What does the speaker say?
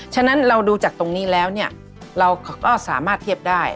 ฉะนั้นเราดูจากตรงนี้แล้วเนี่ยเราก็สามารถเทียบได้